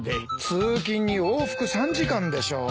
通勤に往復３時間でしょ。